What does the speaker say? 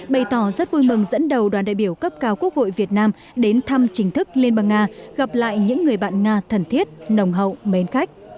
bày tỏ rất vui mừng dẫn đầu đoàn đại biểu cấp cao quốc hội việt nam đến thăm chính thức liên bang nga gặp lại những người bạn nga thần thiết nồng hậu mến khách